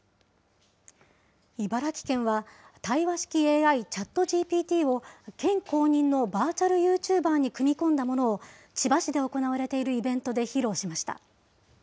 茨城県は、対話式ＡＩ・ＣｈａｔＧＰＴを県公認のバーチャルユーチューバーに組み込んだものを千葉市で行われているイベントで披露しました。